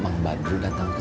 mang badru datang kesini